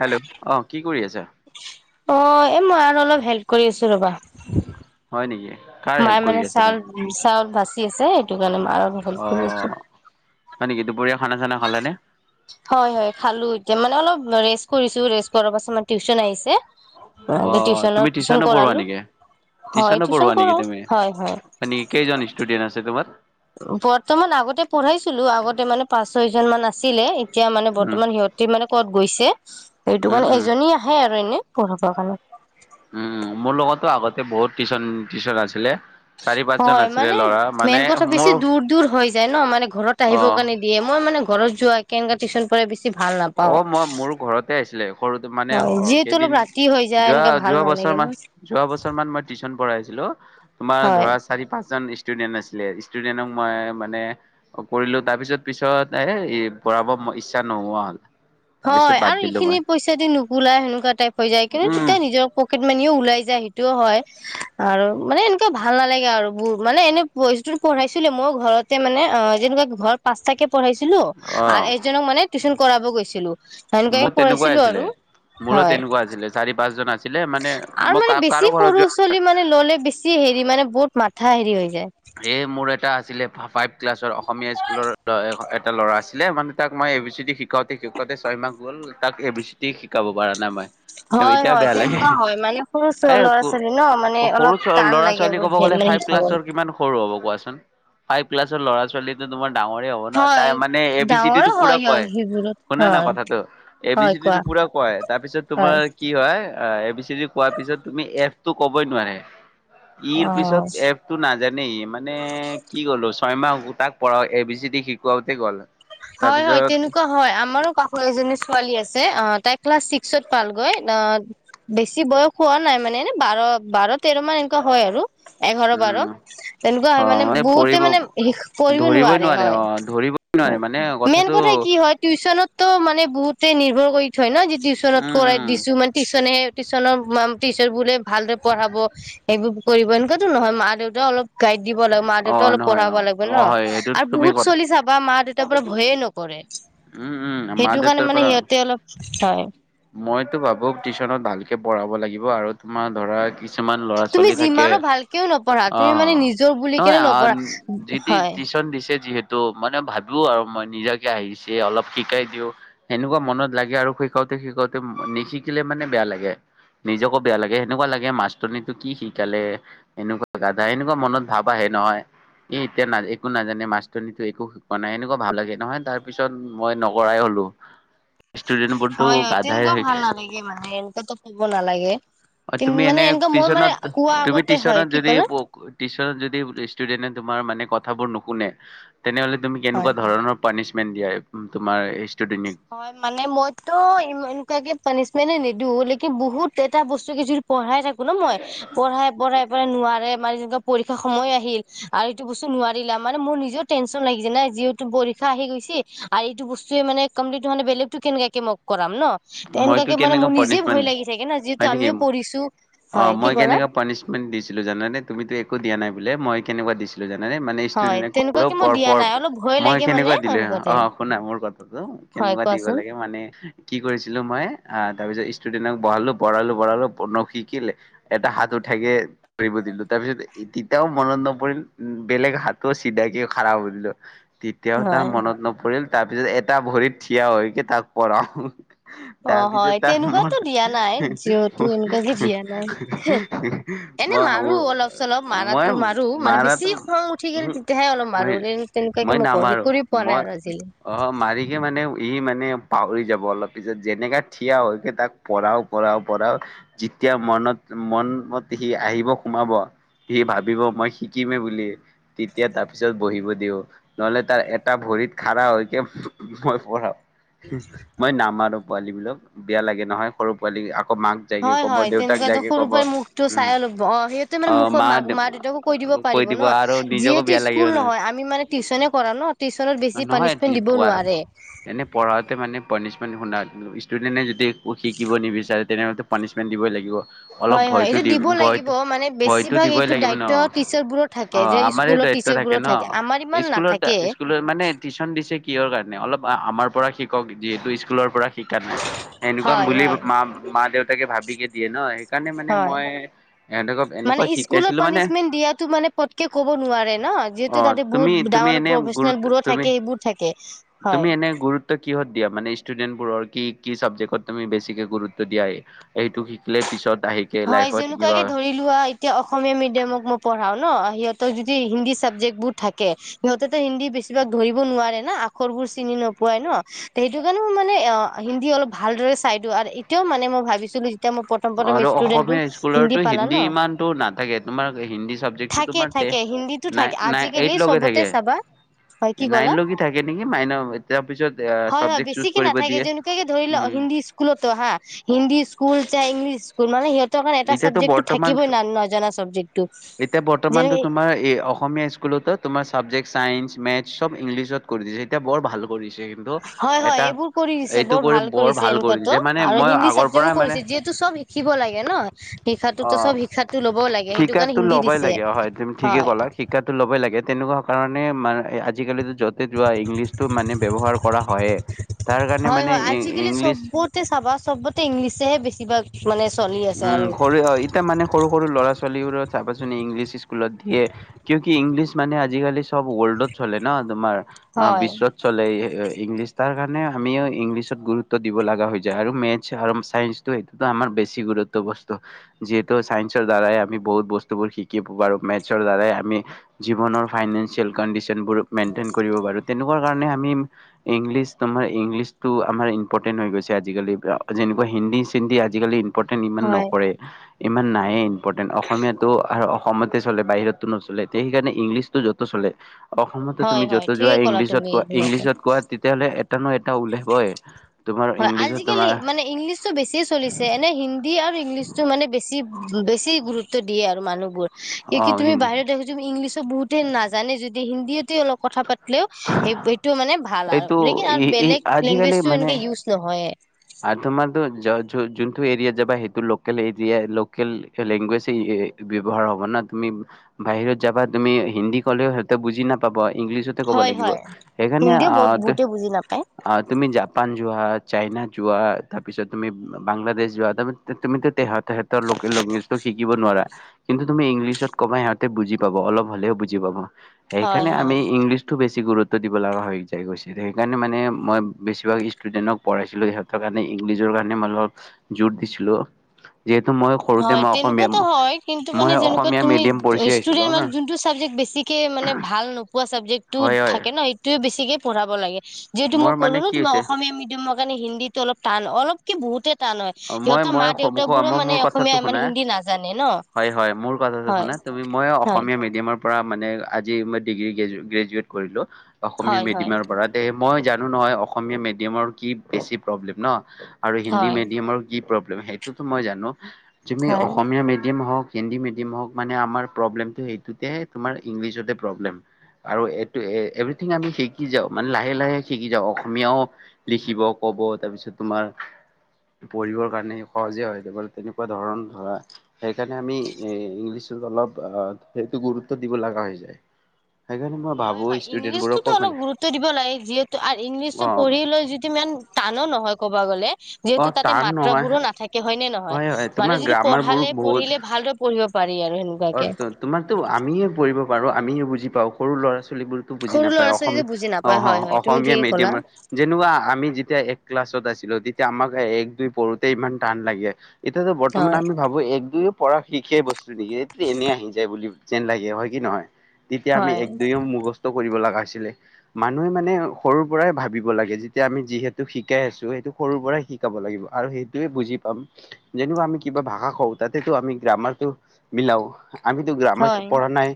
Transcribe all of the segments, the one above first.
Hello অহ কি কৰি আছ অহ এই মাৰ অলপ হেল্প কৰি আছো ৰ'বা হয় নেকি কাৰ হেল্প মায়ে কৰি মানে আছা চাউল তুমি চাউল বাচি আছে সেইটো কাৰণে মাৰ অলপ অ হেল্প কৰি আছো হয় নেকি দুপৰীয়া খানা চানা খালানে হয় হয় খালো এতিয়া মানে অলপ। ৰেষ্ট কৰিছো ৰেষ্ট কৰাৰ পাছত মানে টিউচন আহিছে। অহ টিউচনত তুমি টিউচন টিউচনো পঢ়োৱা কৰালো নেকি হয় টিউচনো টিউচন পঢ়োৱা কৰো নেকি তুমি, হয় হয় মানে কেইজন ষ্টুডেন্ট আছে তোমাৰ। বৰ্তমান আগতে পঢ়াইছিলো আগতে মানে পাঁচ ছয় জন মান আছিলে। এতিয়া মানে উম বৰ্তমান সিহঁতে মানে ক'ত গৈছে সেইটো উম কাৰণে উম এজনী আহে আৰু এনে। পঢ়িব কাৰণে উম উম মোৰ লগতো আগতে বহুত টিউচন টিউচন আছিলে চাৰি পাঁচ হয় মানে মেইন কথা বেছি দূৰ দূৰ হৈ যায় ন মানে ঘৰত আহিব অ কাৰণে দিয়ে মই মানে ঘৰত যোৱা কে এনেকুৱা টিউচন পঢ়াই বেছি ভাল নাপাও অহ মই মোৰো ঘৰতে আহিছিলে সৰুত মানে হয় অ যিহেতু অলপ কেইদিন ৰাতি হৈ যায় যোৱা এনেকা ভাল যোৱা বছ নালাগে ৰ ন মান যোৱা বছৰ মান মই টিউচন পঢ়াইছিলো তোমাৰ হয় ধৰা চাৰি পাঁচ জন ষ্টু ডেন্ট আছিলে ষ্টুডেন্টক মই মানে কৰিলো তাৰপিছত পিছত এ পঢ়াব মই ইচ্ছা নহোৱা হ'ল তাৰপিছত হয় বাদ আৰু দিলো এইখিনি মই পইচা দি নুখুলাই সেনেকুৱা টাইপ হৈ যায় কিন্তু উম তেতিয়া নিজৰ পকেট মানিও ওলাই যায় সেইটোও হয় আৰু মানে এনেকুৱা ভাল নালাগে আৰু ব'ৰ মানে এনে বস্তু পঢ়াইছিলো মইয়ো ঘৰতে মানে অ যেনেকুৱা ঘৰ পাঁচটাকে পঢ়াইছিলো অ আৰু এজনক মানে টিউচন কৰাব গৈছিলো সেনেকুৱাকে মোৰ তেনেকুৱাই কৰাইছিলো আছিলে আৰু মোৰো হয় তেনেকুৱা আছিলে চাৰি পাঁচজন আছিলে মানে আৰু মই মানে কা কাৰো বেছি ঘৰত যোৱা সৰু ছ'লী মানে ল'লে বেছি হেৰি মানে বহুত মাথা হেৰি হয় সে মোৰ এটা আছিলে ফাইভ ক্লাছৰ অসমীয়া স্কুলৰ এটা ল'ৰা আছিলে মানে তাক মই এ বি চি ডি শিকাওঁতে শিকাওঁতে ছয়মাহ গ'ল তাক এ বি চি ডি শিকাব পৰা নাই মই হয় এতিয়াও হয় বেয়া লাগে তেনেকুৱা হয় মানে সৰু এ ল'ৰা ছোৱালী ন মানে অলপ সৰু টান ল'ৰা লাগে ছোৱালী কব গ'লে মানে ফাইভ শিকাবলৈ। ক্লাছৰ কিমান সৰু হ'ব কোৱা চোন, ফাইভ ক্লাছৰ ল'ৰা ছোৱালীটো তোমাৰ ডাঙৰে হ'ব ন হয় তাই মানে এ বি চি ডি ডাঙৰো টো হয় পুৰা কয় সিহঁত সেইবোৰত। শুনা না হয় কথাটো এ বি হয় চি ডি কোৱা টো পুৰা কয় তাৰপিছত হয়। তোমাৰ কি হয় এ বি চি ডি কোৱাৰ পিছত তুমি এফ টো ক'বই নোৱাৰে ই ৰ অ', পিছত এফ টো না যানেই মানে কি ক'লো ছয়মাহ তাক পঢ় এ বি চি ডি শিকাওঁতে গ'ল হয় হয় তাৰপিছত তেনেকুৱা হয় আমাৰো কাষৰ এজনী ছোৱালী আছে অহ তাই ক্লাছ ছি ক্সত পাল গৈ অ বেছি বয়স হোৱা নাই মানে এনে বাৰ বাৰ তেৰ মান এনেকুৱা হয় আৰু এঘাৰ বাৰ উম তেনেকুৱা অ হয় মানে পৰিব বহুতে মানে সে পঢ়িব ধৰিবই নোৱাৰে হয় অ হয়। মানে মেইন কথাটো কথাই কি হয় টিউশচনতো মানে বহুতে নিৰ্ভৰ কৰি থয় ন টিউশচনত উম কৰাই উম দিছো মানেটিউশচনেে টিচনৰ টিচাৰ বোলে ভালদৰে পঢ়াব সেইবোৰ কৰিব এনেকুৱাতো নহয় মা দেউতা অলপ গাইড দিব লাগিব মা অ দেউতা অলপ নহয় পঢ়াব অ লাগিব অ ন হয় সেইটো আৰু তুমি বহুত কথা চলিছাব বাা মা দেউতা ভয়ে নকৰে উম উম মা সেইটো কাৰণে দেউতাৰ মানে পৰা সিহঁতে অলপ হয় মইতো ভাবো টিউচনত ভালকে পঢ়াব লাগিব আৰু তোমাৰ ধৰা কিছুমান ল'ৰা তুমি ছোৱালী থাকে যিমানো ভালকেও নপঢ়া অ তুমি মানে নিজৰ বুলি নহয় কেনে আহ নপঢ়া যি হয় দিছে যিহেতু ত মানে ভাবিও আৰু মই নিজাকে আহিছে অলপ শিকাই দিও সেনেকুৱা মনত লাগে আৰু শ তে শিকোওঁতে নি শিকিলে মানে বেয়া লাগে নিজকো বেয়া লাগে সেনেকুৱা লাগে মাষ্টনীটো কি শিকালে এনেকুৱা গাধা এনেকুৱা মনত ভাৱ আহে নহয় এ এতিয়া ন একো নাজানে মাছনো একো শিকোৱা নাই এনেকুৱা ভাল লাগে নহয় তাৰ পিছত মই নকৰাই হ'ল হয় হয় গাধাই তেনেকুৱাও ৰাখে। ভাল নালাগে মানে এনেকুৱাতো ক'ব নালাগে অ তুমি মানে এনে এনেকুৱা মই মানে টিউশচনত কোৱা তুমি আগতে হয় টিউশনত কি যদি ক'লা টিউচনত যদি ষ্টুডেন্ট তোমাৰ মানে কথাবোৰ নুশুনে তেনেহলে তুমি হয় কেনেকুৱা ধৰণৰ পানিছমেণ্ট দিয়ে তোমাৰ ষ্টুডেন্টক হয় মানে মইতো ইকুৱ কেে পানছো মানে নিদো লকি বহুত এটা বস্তু কি য পঢ়াই থাকো ন মই পঢ়াই পঢ়াই পঢাই নোৱাৰে পৰীক্ষা সময় আহিল আৰু এইটো বস্তু নোৱাৰিলা মানে মোৰ নিজেও টেনচন লাগিছে নাই যিহেতুৰ া আহি গৈছে আৰু এইটো বস্তুৱে মানে কম্লি মানে বেলেগতটো কেনেকাকে মোক কৰাম ন মইতো এনেকুৱাকে মানে কেনেকুৱা মোৰ নিজে পানিচমেন্ট ভয় লাগি থাকে না হয় যিহেতু নেকি আমিও পঢ়িছো অ হয় মই কি কলা কেনেকা পানিচমেন্ট দিছিলো জানে তুমিতো একো দিয়া নাই বো মই কেনেুৱা দিছিলো জানো ম মানে ষ্টুেট হয় কলেও তেনেকুৱাকে প মই দিয়া পৰ নাই অলপ ভয় মই লাগে মানে কেনেকুৱা দিলো এনেকুৱা অ টাইপ শুনা মোৰ কথাটো হয় কেনেকুৱা দিব কোৱাচোন লাগে মানে কি কৰিছে মই তাৰপিছত ষ্টুডেন্টক বঢ়ালো বঢ়ালো বঢ়ালো ন শিকিলে এটা হাত উঠাকে ধৰিব দিলো তাৰ পিছত তেতিয়াও মনত নপৰিল বেলেগ হাতও চিধাকে খাৰ হৈ দিলো তেতিয়াও তাৰ হয় মনত নপল তাৰ পিছত এটা ভৰিত থিয়া হৈকে তাক পঢ়াও অ তাৰ পিছত হয় তাৰ তেনেকুৱাতো মন দিয়া নাই যিহেতু এনেকুৱাকে দিয়া নাই এনে ভাবো মাৰো অলপ চলপ মই মাৰটো মাৰো মানে মাৰাটো বেছি খং উঠি উহো গ' তেতিয়াহে অলপ মই মাৰো তেনেকুৱাকে মই কৰি নামাৰো কৰি পোৱা নাই মই আৰু আজিলৈ অ মাৰিকে মানে ইি মানে পাহৰি যাব অলপ পিচত যেনেকা পিছত যেনেকা থিয়া হৈকে তাক পঢাও পঢও পঢ়ও যেতিয়া মনত মন ম সি আহিব সোমাব সি ভাবিব মই শিকিমেই বুলি তেতিয়া তাৰ পিছত বহিব দিওঁ নহলে তাৰ এটা ভৰিত খাৰা হৈকে মই পঢ়ও মই নামাৰো পোৱালী বিলাক বিেয়া লাগে নহয় সৰু পোৱালি আকৌ মাক যাইকে হয় ক'ব হয় দেউতাক তেনেকুৱাাত যাইকে সৰু ক'ব পৰা মুখতটো চাই উম অল অ সেইহতে মানে মুখক মাক মা দেউতাকো কৈ দিব আৰু নিজকো বেয়া লাগিব নহয় নহয় [unintelligible] পোৱা এনে পঢ়াতে মানে পনিশমেট শু ষ্টুডেণ্টে যদি শিকিব নিবিচাৰে তেনেহ'লে পানিছমেণ্ দই লাগিব অলপ হয় হয় ভয়তো এইটো দি দিব ভয় লাগিব মানে ভয়তো বেছিভাগ দিবই এইটো লাগিব ন দায়িত্ব টিচাৰবোৰৰ থাকে অ যে আমাৰে স্কুলত থাকে টিচাৰবোৰৰ ন আমাৰ ইমান স্কুলত নাথাকে মানে টিউচন দিছে কিহৰ কাৰণে অলপ আমাৰ পৰা শিকক যিহেতু স্কুলৰ পৰা শিকা নাই সেনেকুৱা হয় বুলি হয় মা মা দেউতাকে ভাবিকে দিয়ে ন সেইকাৰণে মানে হয় মই এহঁতক এনেকুৱা মানে স্কুলৰ শিকাইছিলো মানে পানিচমেন্ট দিয়াো মানে পতকে ক'ব নোৱাৰে ন যিহেতু তাতে বহুত ডাঙৰ তোমিএনে প্ৰফেচনেল বোৰো থাকে এইবোৰ থাকে হয় তুমি এনে গুৰুত্ব কিহত দিয়া মানে ডেন্টিষ্টৰ বোৰৰ কি কি চাবজেক্টত তুমি বেছিকে গুৰুত্ব দিয়া এইটো শিকিলে পিছত আহিকে হয় লাইফত যেনেকুৱাকে কিবা ধৰি লোৱা এতিয়া অসমীয়া মিডিয়ামক মই পঢ়াও ন সিহতৰ যদি হিন্দী চাবজেক্ট বোৰ থাকে, সিহতেটো হিন্দী বেছিভাগ ধৰিব নোৱাৰে না আখৰবোৰ চিনি নোপাই ন, সেইটো কাৰণে মই মানে হিন্দী অলপ ভালদৰে চাই দিওঁ। আৰু এতিয়াও মানে মই ভাবিছিলো [unintelligible] মই প্ৰথম আৰু প্ৰথম ষ্টুডেন্টটো অসমীয়া স্কুলৰতো পালা ন হিন্দী ইমানটো নাথাকে। তোমাৰ হিন্দী চাবজেক্টটো থাকে তোমাৰ তে থাকে হিন্দীটো নাই থাকে নাই এইট আজিকালি লৈকে চবতে থাকে। চাবা হয় কি ক'লা নাইন লৈকে থাকে নেকি মাইনৰ? তাৰ পিছত হয় হয় চাবজেক্ট চুজ বেছিকে কৰিব নাথাকে দিয়ে। যেনেকুৱাকে ধৰি লও হিন্দী স্কুলটো হা হিন্দী স্কুল [unintelligible] ইংলিছ [unintelligible] কাৰনে এটা এতিয়াতো চাবজেক্টটো বৰ্তমান থাকিবই নজনা চাবজেক্ট। এতিয়া বৰ্তমানতো তোমাৰ এই অসমীয়া স্কুলত তোমাৰ চাবজেক্ট চাইন্স, মেথ চব ইংলিছত কৰি দিছে। এতিয়া বৰ ভাল কৰিছে, কিন্তু হয় হয় এটা এইবোৰ কৰি দিছে এইটো কৰি ভাল বৰ কৰিছে ভাল কৰি এনেকুৱাতো যে মানে আৰু মই হিন্দী আগৰ চাবজেক্টো পৰাই মানে কৰিছে যিহেতু চব শিকিব লাগে নহ। অ', কাৰণে শিকাটো হিন্দী ল'বই দিছে লাগে, অ', হয়। তুমি ঠিকেই হয় ক'লা, শিকাটো ল'বই লাগে। তেনেকুৱা কাৰণে মান আজিকালিতো য'তে যোৱা ইংলিছতটো মানে ব্যৱহাৰ কৰা হয়েই। হয় হয়। আজিকালি চবতে চাবা, চবতে ইংলিচহে বেছিভাগ মানে চলি আছে উম, আৰু সৰু হয়। ইতিয়া মানে সৰু সৰু ল'ৰা ছো ছোৱালীবোৰত চাবাচোন ইংলিছ স্কুলত দিয়ে ক্যুকী ইংলিছ মানে আজিকালি চব ৱৰ্ল্ডত চলে ন তোমাৰ। অ', হয় বিশ্বত চলে। ইংলিছ তাৰ কাৰণে আমিও ইংলিছত গুৰুত্ব দিব লগা হৈ যায় আৰু মেথছ আৰু ছাইন্ঞ্চটো সেইটোতো আমাৰ বেছি বেছি গুৰুত্ব বস্তু, যিহেতু ছায়ন্সৰ দ্বাৰাই আমি বহুত বস্তুবোৰ শিকিব পাৰোঁ, মেথছৰ দ্বাৰাই আমি জীৱনৰ ফাইনেনচিয়েল কণ্ডিচন বোৰ মেইনটেইন কৰিব পাৰো। তেনেকুৱা কাৰণে আমি ইংলিছ তোমাৰ ইংলিছটো আমাৰ ইম্পৰ্টেণ্ট হৈ গৈছে আজিকালি। এনেকুৱা হিন্দী-চিন্তি আজিকালি ইমপৰ্তেণ্ট ইমান হয় নকৰে। ইমান নায়েই ইমপৰ্তেণ্ট, অসমীয়াটো আৰু অসমতে চলে বাহিৰততো নচলে, তে সেইকাৰণে ইংলিছতটো য'তো চলে। অসমতো হয় তুমি হয় য'তো যোৱা, ঠিকে ক'লা ইংলিছত তুমি কোৱা এইবিলাকতো ইংলিছত কোৱা তেতিয়াহ'লে এটা নহয় এটা ওলাবই, তোমাৰ হয় ইংলিছত আজিকালি তোমাৰ দিয়ে আৰু ইংলিছটো মানে বেছি বেছি গুৰুত্ব দিয়ে আৰু মানুহবোৰ অ [unintelligible] তুমি হিন্দী বাহিৰত ইংলিছো বহুতেই নাজানে যদি হিন্দীয়ে অলপ কথা পাতিলেও, সেই সেইটো মানে ভাল আৰু। এইটো লেকিন ই আৰু ই বেলেগ লেংগুৱেজটো এনেকে ইউজ নহয়। অহ তোমাৰতো য যোনটো এৰিয়াত যাবা সেইটো লোকেল এৰিয়া লোকেল লেংগুৱেজ ব্যৱহাৰ হ'ব না, তুমি বাহিৰত যাবা তুমি হিন্দী ক'লেও সিহতে বুজি নাপাব। ইংলিছতে ক'ব হয় লাগিব, হয় সেইকাৰণে হিন্দীও বহুত বহুতে বুজি নাপায় অ' তুমি জাপান যোৱা, চাইনাত যোৱা, তাৰ পিছত তুমি বাংলাদেশ যোৱা, তাৰ তুমিটো তেহতৰ লোকেল লেংগুৱেজ টো শিকিব নোৱাৰা। কিন্তু তুমি ইংলিছত কবা সিহঁতে বুজি পাব। অলপ হ'লেও বুজি পাব। হয় সেইকাৰণে হয় আমি ইংলিছটো বেছি বেছি গুৰুত্ব দিব লগা হৈ যায়, গৈছিলে। সেইকাৰণে মানে মই বেছিভাগ ষ্টুডেণ্টক পঢ়াইছিলোঁ, সিহঁত ত' কাৰণে ইংলিজৰ কাৰণে মই অলপ জোৰ দিছিলো। যিহেতু মই সৰুতে হয়, মই অসমীয়া তেনেকুৱাটো হয়। কিন্তু মানে মই যেনেকুৱা অসমীয়া তুমি মিডিয়াম পঢ়ি আহিছিলো ষ্টুদেনক না যোনটো চাবজেক্ট বেছি কে মানে ভাল নোপোৱা ছাবজেক্টটো হয় হয় থাকে ন, এইটোৱেই বেছিকে পঢ়াব লাগে। যিহেতু মই মোৰ ক'লো মানে ন কি তোমাক, হৈছে অসমীয়া মিডিয়ামৰ কাৰণে হিন্দীতটো অলপ টান, অলপ কি বহুতেই অ', মই-মই, সমুখৰ, মই মোৰ কথাত অসমীয়া টো মানে শুনা হিন্দী নাজানে ন হয়-হয়। মোৰ কথাটো হয় শুনা, তুমি মই হয় অসমীয়া মেদিয়াম ৰ পৰা মানে আজি মই ডিগ্ৰী গ্ৰেজুৱেট কৰিলোঁ। অসমীয়া হয় হয় মেদিয়ামৰ পৰা মই জানো নহয় অসমীয়া মেডিয়ামৰ কি বেছি প্ৰব্লেম নহ, আৰু হিন্দী হয় মেড কি প্ৰব্লেম, সেইটো মই জানো। যোনেই হয় অসমীয়া মেডিয়াম হওঁক হিন্দী মিডিয়াম হওক মানে আমাৰ প্ৰব্লেমটো সেইটোতে, তোমাৰ ইংলিছতে প্ৰব্লেম। আৰু এইটো এ এভৰিথিং আমি শিকি যাও। মানে লাহে লাহে শিকি যাওঁ, অসমীয়াও লিখিব ক ব তাৰপিছত তোমাৰ পঢ়িবৰ কাৰণে সহজে হয় তেনেকুৱা ধৰণ ধৰা সেইকাৰণে আমি এ ইংলিছৰল। অলপ আহ সেইটো গুৰুত্ব দিব লগা হৈ যায়। সেইকাৰণে মই ভাবো হয়-হয় ষ্টুডেন্ট ইংলিছতোতো বোৰকো অলপ মানে গুৰুত্ব দিব লাগে যিহেতু আৰু ইংলিছটো অ পঢ়ি লৈ যিটো ইমান তানো, নহয় ক'ব গ'লে অ যিহেতু তাতে টান মাত্ৰা নহয় বোৰো নাথাকে। হয়, মানুহ যদি পঢ়ালে-পঢ়িলে ভালদৰে পঢ়িব। পাৰি আৰু অ' সেনেকুৱাকে তোমাৰতো আমিযে পঢ়িব পাৰো আমিএ বুজি পাওঁ সৰু ল'ৰা ছোৱালী বোৰে টো বুজি সৰু নাপাই ল'ৰা আৰু ছোৱালীয়ে বুজি নাপায় অ-অ, হয় হয় তুমি অসমীয়া ঠিকে ক'লা মিডিয়াম ত যেনেকুৱা আমি যেতিয়া এ ক্লাছত ছত আছিলো তেতিয়া আমাক এক দুই পঢ়োতে ইমান টান লাগে এতিয়াতো বৰ্তমান হয় আমি ভাবো এক দুই পঢ়া শিকেই বস্তু নেকিয়া এনেই আহি যায় বুলি যেন লাগে হয় কি নহয়। তেতিয়া আমি হয় এক দুইও মুখা স্থ কৰিব লগা হয়। মানুহে মানে সৰু পৰাই ভাবিব লাগে যেতিয়া আমি যিহেতু শিকাই আছো সেইটো সৰুৰ পৰাই। শিকাব লাগিব আৰু সেইটোয়ে বুজি পাম যেনিবা আমি কিবা ভাষা কওঁ তাতেতো আমি গ্ৰামাৰটো। মিলাও আমিতো গ্ৰামাৰ হয় পঢ়া নাই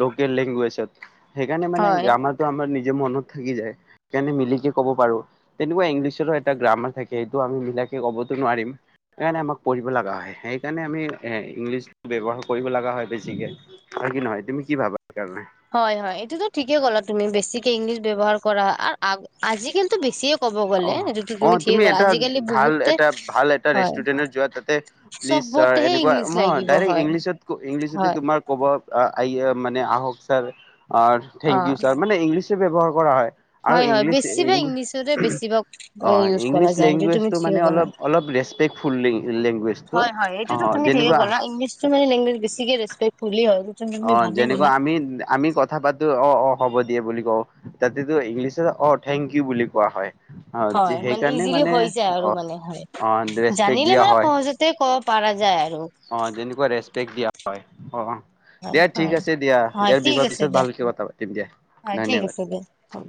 লোকেল লেংগুৱেজত। সেইকাৰণে মে হয় গ্ৰামাৰটো আমাৰ নি যে মনত থাকি যায় সেইকাৰণে মিলিকে ক'ব পাৰো ল, তেনেকুৱা ইংলিছৰো এটা গ্ৰামাৰ থাকে। সেইটো আমি মিলা ক'বতো নোৱাৰিম সেইকাৰণে আমাক পঢ়িব লগা হয় সেইকাৰণে আমি ইংলিছ ব্যৱহাৰ কৰিব লগা হয় বেছিকে হয় কি নহয় তুমি কি ভাবা? সেইকাৰণে হয়-হয় এইটোতো ঠিকেই গ'লা তুমি বেছিকে ইংলিছ ব্যৱহাৰ কৰা হয়, আজি কিন্তু অ-অ তুমি এটা আজিকালি ভাল বহুতে এটা ভাল এটা হয় ৰেষ্টুৰেণ্টৰ যোৱা তাতে, প্লিজ ছাৰ চবতেহে এনেকুৱা ইংলিছ ময় লাগিব ডাইৰেক্ট হয় ইংলিছত ইংলিছতে হয় তোমাৰ ক'ব আ', আযে মানে আহক sir thank O you sir মানে ইংলিছো ব্যৱহাৰ কৰা হয়। আৰু হয় হয় ইংলিছ ইং বেছিভাগ ইংলিছৰে বেছিভাগ অঁ', ইউজ কৰা ইংলিছ যায় সেইটো তুমি লেংগুৱেজটো মানে ঠিকে ক'লা। অলপ অলপ ৰেচপেক্টফুল লেংগুৱেজটো। হয়, এইটো অ টো তুমি ঠিকে যেনেকুৱা ক' ইংলছতো মে লেংগুজ টো বেছিকে ৰেচপেকফুলি হয়। তুমি অ' ভালে যেনেকুৱা ক'লা। আমি-আমি কথা পাতো অ', অ' হ'ব দিয়ে বুলি কওঁ তাতেতো ইংলিছত অ' থেংক ইউ বুলি কোৱা হয়। অ হয়, মানে সেইকাৰণে ইজিলি হৈ যায় অ আৰু মানে হয়, অ ৰেচপেক্ট জানিলে দিয়া মানে হয় সহজতে ক'ব পাৰ কৰা যায় আৰু। অ' যেনেকুৱা ৰেচপেক্ট দিয়া হয় অ', হয় দিয়া ঠিক হয় আছে দিয়া হয় ইয়াৰ ঠিক বিষৰ আছে পিছত দিয়া ভালকে কথা পাতিম দিয়া। হয় ঠিক ধন্যবাদ আছে দিয়া হ'ব।